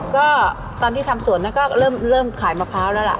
ก็ตอนที่ทำสวนก็เริ่มขายมะพร้าวแล้วล่ะ